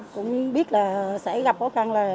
cũng biết là sẽ gặp khó khăn